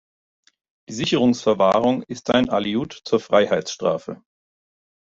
Die Sicherungsverwahrung ist ein Aliud zur Freiheitsstrafe.